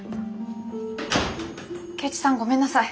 圭一さんごめんなさい。